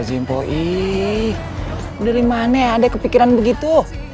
zimpo ii dari mana ada kepikiran begitu